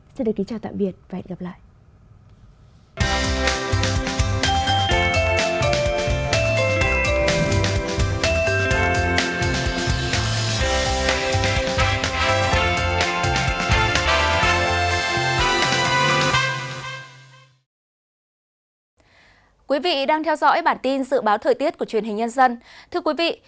xin đợi kính chào tạm biệt và hẹn gặp lại